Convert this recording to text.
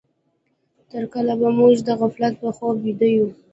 تر کله به موږ د غفلت په خوب ويده يو؟